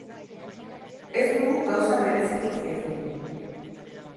Ez dugu gauza berezirik egin.